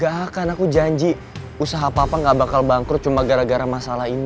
gak akan aku janji usaha papa gak bakal bangkrut cuma gara gara masalah ini